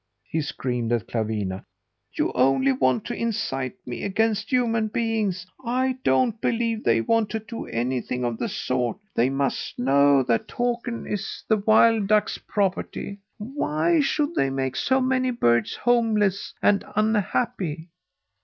he screamed at Clawina. "You only want to incite me against human beings. I don't believe they want to do anything of the sort. They must know that Takern is the wild ducks' property. Why should they make so many birds homeless and unhappy?